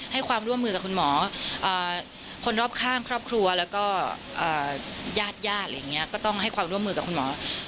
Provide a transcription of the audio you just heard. ให้ความร่วมมือกับคุณหมอคนรอบข้างครอบครัวแล้วก็ญาติญาติอะไรอย่างนี้ก็ต้องให้ความร่วมมือกับคุณหมอ